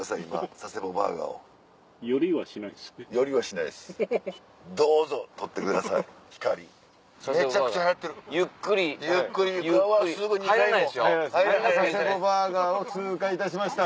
佐世保バーガーを通過いたしました。